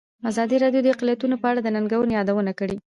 ازادي راډیو د اقلیتونه په اړه د ننګونو یادونه کړې.